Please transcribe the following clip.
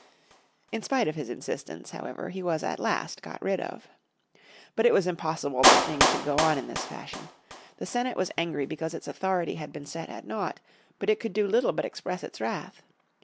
In spite of his insistence, however, he was at last got rid of. But it was impossible that things should go on in this fashion. The Senate was angry because its authority had been set at nought, but it could do little but express its wrath.